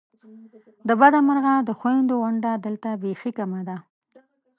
د بده مرغه د خوېندو ونډه دلته بیخې کمه ده !